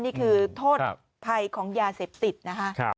นี่คือโทษภัยของยาเสพติดนะคะ